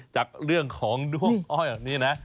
จากเรื่องของด้วงอ้อยแบบนี้นะ